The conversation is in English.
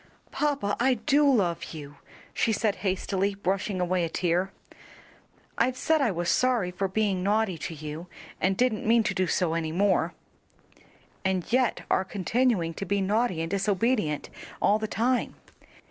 "Papa, I do love you," she said, hastily brushing away a tear. "I've said I was sorry for being naughty to you and didn't mean to do so any more." "And yet are continuing to be naughty and disobedient all the time.